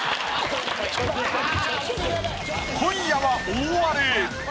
今夜は大荒れ！